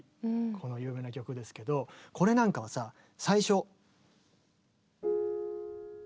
有名な曲ですけどこれなんかはさ最初。